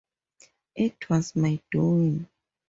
It was my doing.